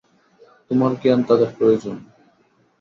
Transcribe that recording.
তোমার জ্ঞান তাদের প্রয়োজন।